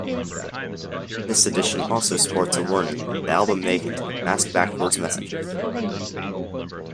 This edition also sports a warning that the album may contain masked backwards messages.